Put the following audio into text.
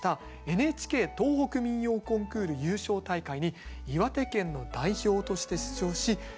ＮＨＫ東北民謡コンクール優勝大会に岩手県の代表として出場し見事優勝。